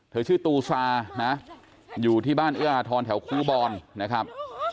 ชื่อตูซานะอยู่ที่บ้านเอื้ออาทรแถวคูบอลนะครับ